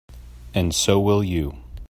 And so will you.